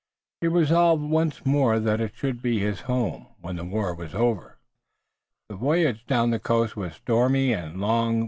He resolved once more that it should be his home when the war was over. Their voyage down the coast was stormy and long.